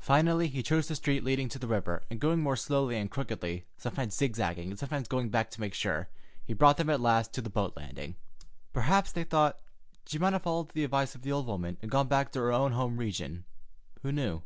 Finally, he chose the street leading to the river, and going more slowly and crookedly, sometimes zigzagging and sometimes going back to make sure, he brought them at last to the boat landing. Perhaps, they thought, she might have followed the advice of the old woman and gone back to her own home region—who knew?